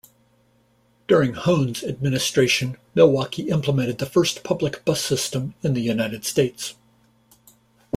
During Hoan's administration, Milwaukee implemented the first public bus system in the United States.